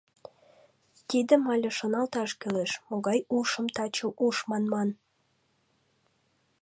Тидым але шоналташ кӱлеш: могай ушым таче уш манман.